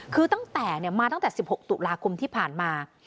คือมาตั้งแต่๑๖ตุลาคมที่ผ่านมา